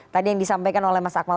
tadi yang disampaikan oleh mas akmal